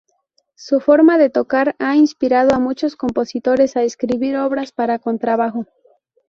Su forma de tocar ha inspirado a muchos compositores a escribir obras para contrabajo.